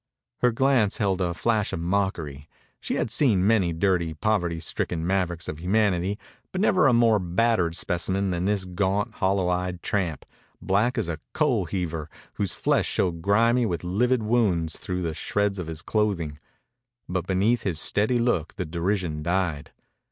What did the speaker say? Her glance held a flash of mockery. She had seen many dirty, poverty stricken mavericks of humanity, but never a more battered specimen than this gaunt, hollow eyed tramp, black as a coal heaver, whose flesh showed grimy with livid wounds through the shreds of his clothing. But beneath his steady look the derision died.